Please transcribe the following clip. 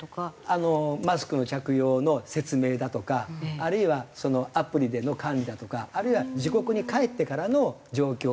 あのマスクの着用の説明だとかあるいはアプリでの管理だとかあるいは自国に帰ってからの状況